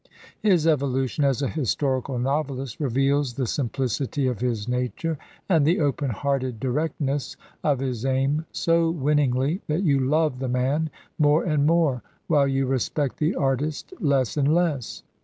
His evolution as a historical novelist reveals the sim plicity of his nature and the open hearted directness of his aim so winningly that you love the man more and more, while you respect the artist less and less.